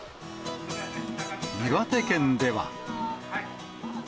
岩手県では。